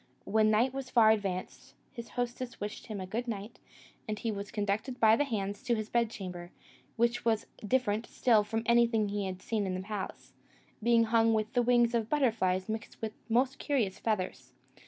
When night was far advanced, his hostess wished him a good night, and he was conducted by the hands to his bedchamber, which was different still from anything he had seen in the palace, being hung with the wings of butterflies mixed with the most curious feathers.